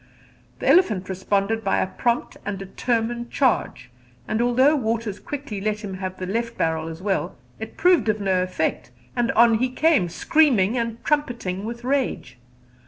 The elephant responded by a prompt and determined charge, and although Waters quickly let him have the left barrel as well, it proved of no effect; and on he came, screaming and trumpeting with rage.